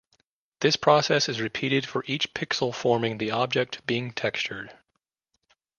This process is repeated for each pixel forming the object being textured.